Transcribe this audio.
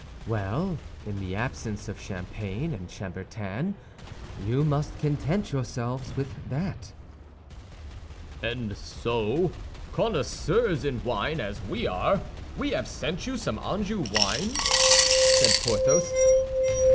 "Well, in the absence of champagne and chambertin, you must content yourselves with that." "And so, connoisseurs in wine as we are, we have sent you some Anjou wine?" said Porthos.